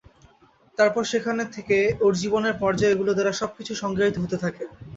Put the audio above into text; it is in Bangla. তারপর সেখান থেকে ওর জীবনের পর্যায়গুলো দ্বারা সবকিছু সংজ্ঞায়িত হতে থাকে।